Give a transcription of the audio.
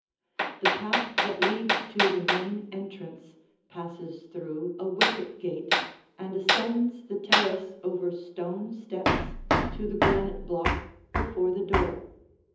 The path that leads to the main entrance passes through a wicket gate and ascends the terrace over stone steps to the granite block before the door.